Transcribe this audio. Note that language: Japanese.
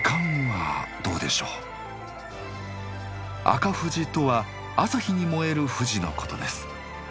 赤富士とは朝日に燃える富士のことです。